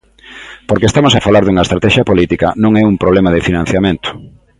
Porque estamos a falar dunha estratexia política, non é un problema de financiamento.